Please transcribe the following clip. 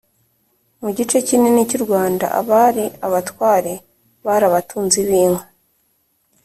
mu gice kinini cy'u Rwanda abari abatware bari abatunzi binka